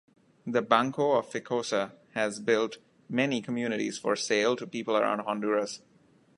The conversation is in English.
The Banco of Ficosa has built many communities for sale to people around Honduras.